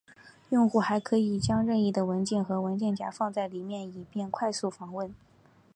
用户还可以将任意的文件和文件夹放在里面以便快速访问。